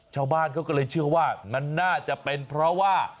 ชาวบ้านเขาก็เลยเชื่อว่ามันน่าจะเป็นเพราะว่า